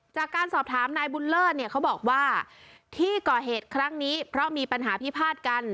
จากการสอบถามนายบุญเลิศเนี่ยเขาบอกว่าที่ก่อเหตุครั้งนี้เพราะมีปัญหาพิพาทกัน